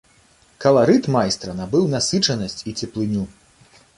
Каларыт майстра набыў насычанасць і цеплыню.